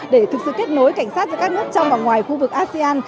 để thực sự kết nối cảnh sát giữa các nước trong và ngoài khu vực asean